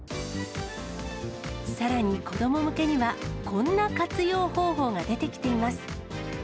さらに子ども向けには、こんな活用方法が出てきています。